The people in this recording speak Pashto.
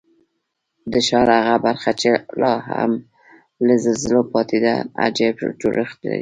د ښار هغه برخه چې لا هم له زلزلو پاتې ده، عجیب جوړښت لري.